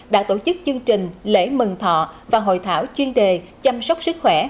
đã tổ chức chương trình lễ mừng thọ và hội thảo chuyên đề chăm sóc sức khỏe